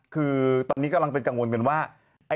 คือตอนนี้กำลังเป็นกังวลกันว่า